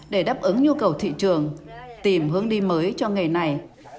để đáp ứng nhu cầu thị trường tìm hướng đi mới cho nghề này